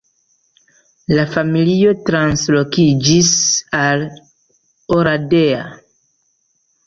La familio translokiĝis al Oradea.